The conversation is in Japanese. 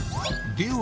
では